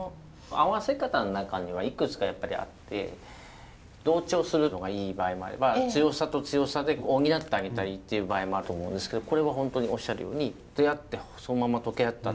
合わせ方の中にはいくつかやっぱりあって同調するのがいい場合もあれば強さと強さで補ってあげたりっていう場合もあると思うんですけどこれは本当におっしゃるように出会ってそのまま溶け合ったと思う。